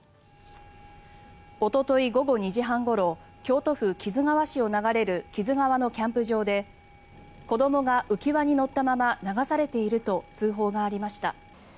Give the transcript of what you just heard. おととい午後２時半ごろ京都府木津川市を流れる木津川のキャンプ場で子どもが浮輪に乗ったまま流されていると通報がありました。